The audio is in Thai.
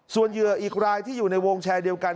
ส่วนเหยื่ออีกรายที่อยู่ในวงแชร์เดียวกัน